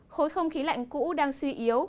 khối không khí lạnh cũ đang suy yếu